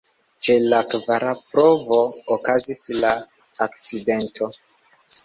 Ĉe la kvara provo okazis la akcidento.